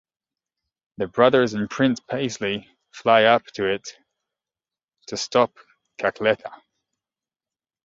The brothers and Prince Peasley fly up to it to stop Cackletta.